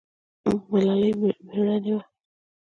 ملالۍ میړنۍ وه